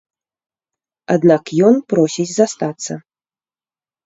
Аднак ён просіць застацца.